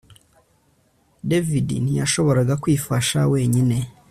David ntiyashoboraga kwifasha wenyine